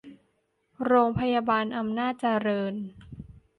โรงพยาบาลอำนาจเจริญ